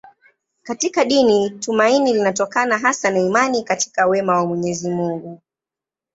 Katika dini tumaini linatokana hasa na imani katika wema wa Mwenyezi Mungu.